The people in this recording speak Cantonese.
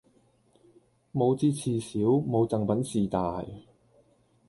冇折事小，冇贈品事大